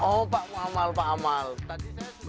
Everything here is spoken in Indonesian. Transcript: oh pak muhammad pak amal